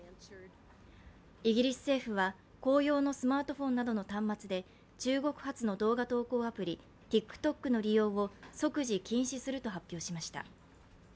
イギリス政府は公用のスマートフォンなどの端末で中国発の動画投稿アプリ、ＴｉｋＴｏｋの利用を即時禁止すると発表しました。